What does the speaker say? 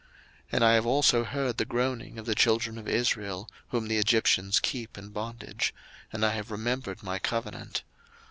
02:006:005 And I have also heard the groaning of the children of Israel, whom the Egyptians keep in bondage; and I have remembered my covenant.